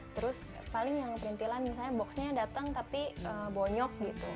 terus paling yang perintilan misalnya boxnya datang tapi bonyok gitu